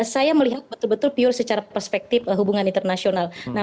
saya melihat betul betul pure secara perspektif hubungan internasional